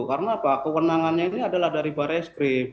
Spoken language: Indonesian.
karena kewenangannya ini adalah dari bu ares krim